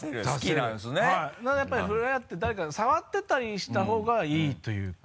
なんならやっぱりふれあって誰かと触ってたりした方がいいというか。